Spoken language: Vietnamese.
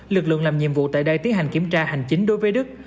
lực lượng làm nhiệm vụ tại đây tiến hành kiểm tra hành chính đối với đức